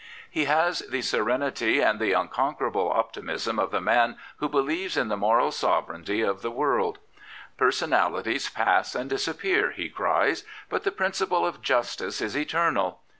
He has the serenity and the unconquerable optimism of the man who believes in the moral sovereignty of 102 Dr. ClifFord the wccW. " Personalities pass and disappear/' he cries, " but the principle of justice is eternal.